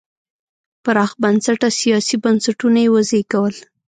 پراخ بنسټه سیاسي بنسټونه یې وزېږول.